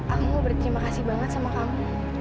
aku berterima kasih banget sama kamu